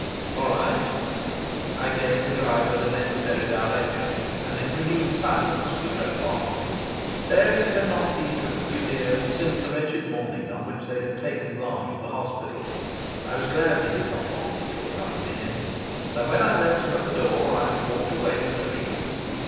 "All right." I gave the driver the necessary direction, and in renewed silence we drove on. Dirk had not been to the studio since the wretched morning on which they had taken Blanche to the hospital. I was glad he did not want me to accompany him, and when I left him at the door I walked away with relief.